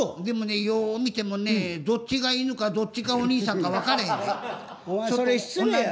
でもねよう見てもねどっちが犬かどっちがお兄さんか分からへんで。